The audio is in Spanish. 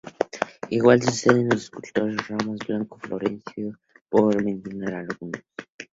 Igual sucede con los escultores Ramos Blanco y Florencio Gelabert, por mencionar algunos.